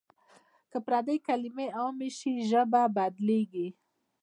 که پردۍ کلمې عامې شي ژبه بدلېږي.